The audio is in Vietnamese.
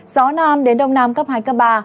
gió nam đến đông nam cấp hai ba